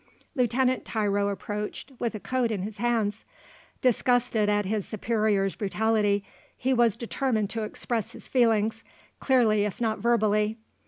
Lieutenant Tiro approached with a coat in his hands. Disgusted at his superior's brutality, he was determined to express his feelings, clearly if not verbally.